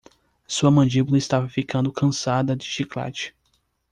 Sua mandíbula estava ficando cansada de chiclete.